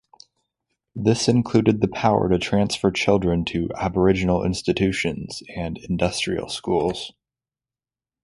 This included the power to transfer children to "aboriginal institutions" and "industrial schools".